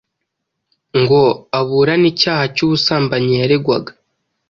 ngo aburane icyaha cy’ubusambanyi yaregwaga